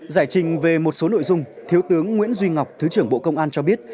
giải trình về một số nội dung thiếu tướng nguyễn duy ngọc thứ trưởng bộ công an cho biết